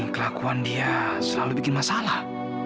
kelakuan dia selalu bikin masalah